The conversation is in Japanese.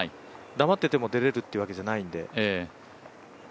黙ってても出れるってわけじゃないんで。